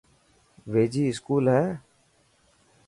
ويجھي اسڪول هي.